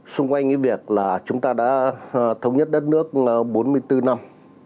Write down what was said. xung quanh cái việc là chúng ta đã thống nhất đất nước bốn mươi bốn năm